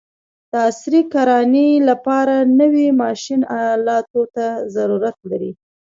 د عصري کرانې لپاره نوي ماشین الاتو ته ضرورت لري.